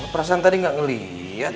perasaan tadi gak ngeliat